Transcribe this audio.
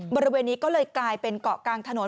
บริเวณนี้ก็เลยกลายเป็นเกาะกลางถนน